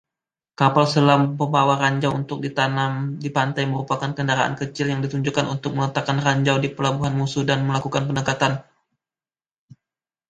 Kapal selam pembawa ranjau untuk ditanam di pantai merupakan kendaraan kecil yang ditujukan untuk meletakkan ranjau di pelabuhan musuh dan melakukan pendekatan.